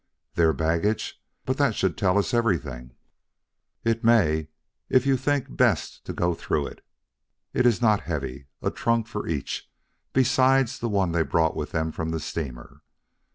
"Their baggage! But that should tell us everything." "It may if you think best to go through it. It is not heavy a trunk for each, besides the one they brought with them from the steamer.